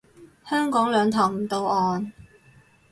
香港兩頭唔到岸